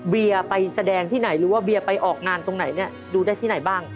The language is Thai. เบียร์ไปแสดงที่ไหนหรือว่าเบียร์ไปออกงานตรงไหนเนี่ยดูได้ที่ไหนบ้าง